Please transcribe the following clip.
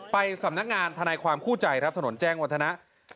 ไปสำนักงานทนายความคู่ใจครับถนนแจ้งวัฒนะ